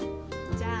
じゃあな。